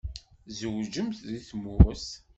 Tzewǧemt deg tmurt?